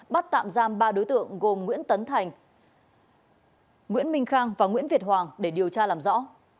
bắt tạm giam ba đối tượng gồm nguyễn tấn thành nguyễn minh khang và nguyễn việt hoàng để điều tra làm rõ